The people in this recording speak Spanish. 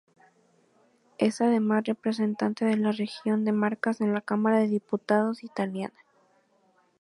Es además representante de la Región de Marcas en la Cámara de Diputados Italiana.